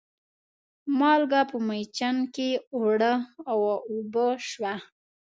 مالګه په مېچن کې اوړه و اوبه شوه.